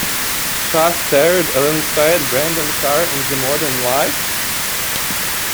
Shah starred alongside Brendan Carr in the Modern Life?